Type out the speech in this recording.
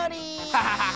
ハハハハッ。